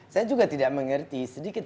saya juga tidak mengerti